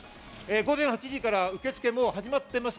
午前８時から受け付けがもう始まってます。